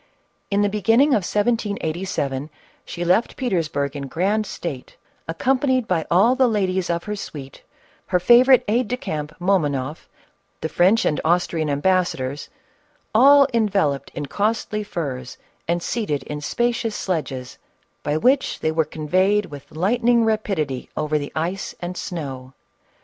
In the beginning of 1787, she left Petersburg in grand state, accompanied by all the ladies of her suite, her favorite aid de camp, MomonofF, the French and Austrian ambassadors, all enveloped in costly furs, and seated in spacious sledges, by which they were conveyed with lightning rapidity over the ice and snow.